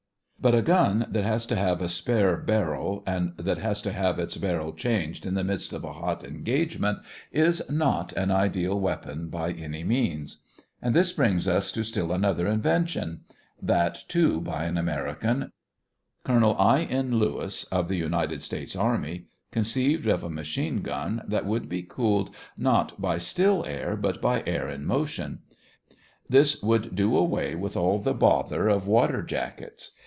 But a gun that has to have a spare barrel and that has to have its barrel changed in the midst of a hot engagement is not an ideal weapon, by any means. And this brings us to still another invention that, too, by an American. Colonel I. N. Lewis, of the United States Army, conceived of a machine gun that would be cooled not by still air but by air in motion. This would do away with all the bother of water jackets.